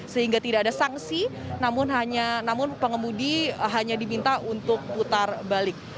sehingga tidak ada sanksi namun pengemudi hanya diminta untuk putar balik